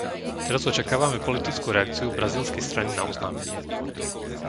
Teraz očakávame politickú reakciu brazílskej strany na oznámenie.